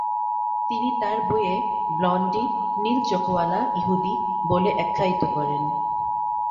তিনি তার বইয়ে "ব্লন্ডি, নীল-চোখওয়ালা ইহুদি" বলে আখ্যায়িত করেন।